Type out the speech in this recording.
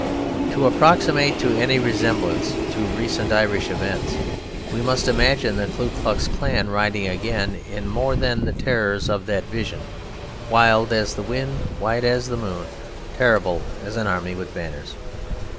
To approximate to any resemblance to recent Irish events, we must imagine the Ku Klux Klan riding again in more than the terrors of that vision, wild as the wind, white as the moon, terrible as an army with banners.